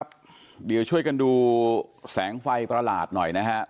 เดี๋ยวช่วยกันดูแสงไฟประหลาดหน่อยนะฮะ